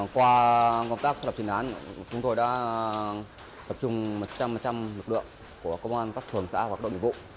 qua công tác xác lập chuyên án chúng tôi đã tập trung một trăm linh lực lượng của công an các thường xã hoặc đội bệnh vụ